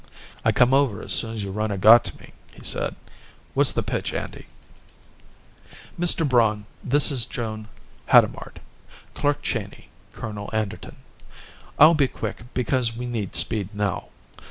"I come over as soon as your runner got to me," he said. "What's the pitch, Andy?" "Mr. Braun, this is Joan Hadamard, Clark Cheyney, Colonel Anderton. I'll be quick because we need speed now.